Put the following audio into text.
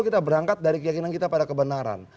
kita berangkat dari keyakinan kita pada kebenaran